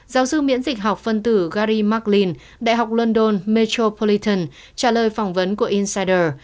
giáo sư miễn dịch học phân tử gary mclean đại học london metropolitan trả lời phỏng vấn của insider